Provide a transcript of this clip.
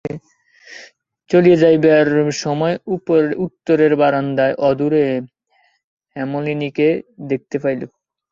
চলিয়া যাইবার সময় উত্তরের বারান্দায় অদূরে হেমনলিনীকে দেখিতে পাইল।